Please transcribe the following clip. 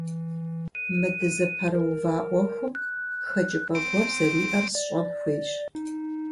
Мы дызыпэрыувэ Ӏуэхум хэкӀыпӀэ гуэр зэриӀэр сщӀэн хуейщ.